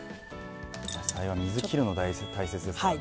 野菜は水切るの大切ですよね。